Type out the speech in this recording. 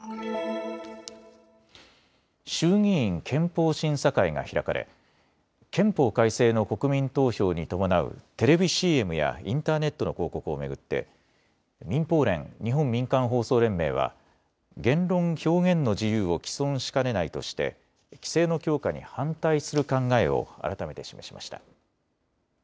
衆議院憲法審査会が開かれ憲法改正の国民投票に伴うテレビＣＭやインターネットの広告を巡って民放連・日本民間放送連盟は言論・表現の自由を毀損しかねないとして規制の強化に反対する考えを改めて示しました。